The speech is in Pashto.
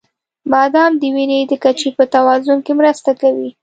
• بادام د وینې د کچې په توازن کې مرسته کوي.